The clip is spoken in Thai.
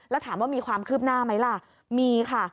แล้วถามว่ามีความคืบหน้าไหมล่ะมีค่ะ